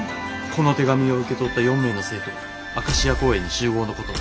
「この手紙を受け取った４名の生徒はアカシア公園に集合のこと」。